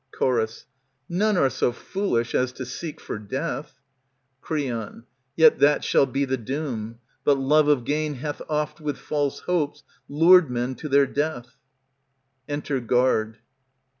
Chor. None are so foolish as to seek for death. ^^ Creon. Yet that shall be the doom ; but love of gain Hath oft with false hopes lured men to their death. Enter Guard.